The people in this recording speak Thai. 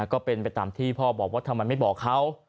ก็เป็นไปตามที่พ่อบอกว่าทำไมไม่บอกเขา